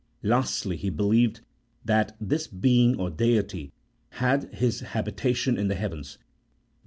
Lastly, he believed that this Being or Deity had His habitation in the heavens (Deut.